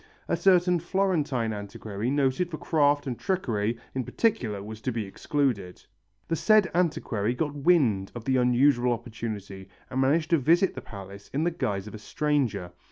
A certain Florentine antiquary noted for craft and trickery, in particular, was to be excluded. The said antiquary got wind of the unusual opportunity and managed to visit the palace in the guise of a stranger.